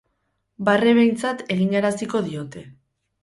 Barre behintzat eginaraziko diote.